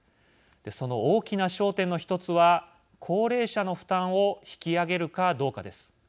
その大きな焦点の一つは高齢者の負担を引き上げるかどうかです。